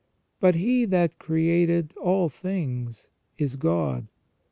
But He that created all things is God.